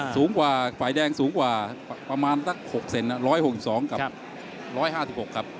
สูงกว่าฝ่ายแดงสูงกว่าประมาณสัก๖เซน๑๖๒กับ๑๕๖ครับ